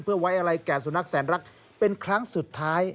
เพื่อไว้อะไรแก่สุนัขแสนรักเป็นครั้งสุดท้าย